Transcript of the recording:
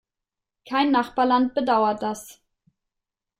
Kein Nachbarland bedauert das.